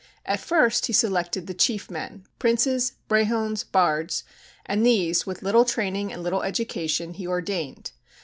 At first he selected the chief men princes, brehons, bards and these, with little training and little education, he ordained.